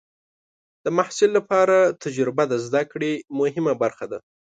د محصل لپاره تجربه د زده کړې مهمه برخه ده.